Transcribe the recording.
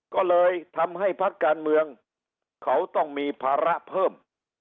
ก็เลยทำให้พักการเมืองเขาต้องมีภาระเพิ่ม